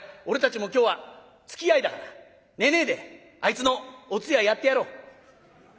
俺たちも今日はつきあいだから寝ねえであいつのお通夜やってやろう」。